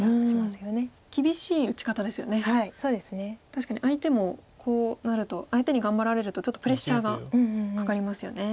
確かに相手もこうなると相手に頑張られるとちょっとプレッシャーがかかりますよね。